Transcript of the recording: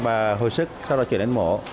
bà hồi sức sau đó chuyển đến mổ